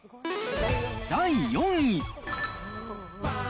第４位。